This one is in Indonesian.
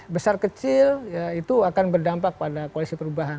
besar kecil ya itu akan berdampak pada koalisi perubahan